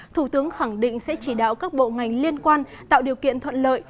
thủ tướng khẳng định sẽ chỉ đạo các bộ ngành liên quan tạo điều kiện thuận lợi